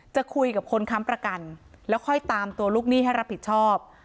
จะคุยกับคนค้ำประกันแล้วค่อยตามตัวลูกหนี้ให้รับผิดชอบ